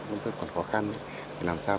vẫn rất còn khó khăn làm sao